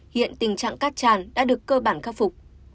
hiện tình trạng cát tràn đã được cơ bản khắc phục